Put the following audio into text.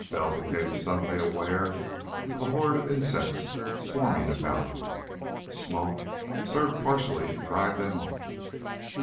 Bell became suddenly aware of a horde of insects swarming around him. Smoke served partially to drive them off.